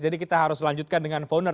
jadi kita harus lanjutkan dengan founder